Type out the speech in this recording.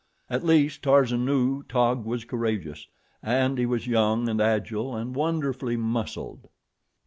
At least, Tarzan knew, Taug was courageous, and he was young and agile and wonderfully muscled.